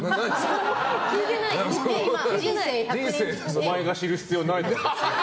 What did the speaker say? お前が知る必要ないだろ別に。